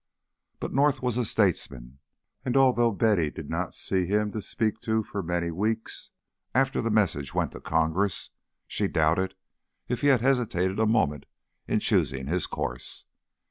But North was a statesman, and although Betty did not see him to speak to for many weeks after the Message went to Congress, she doubted if he had hesitated a moment in choosing his course.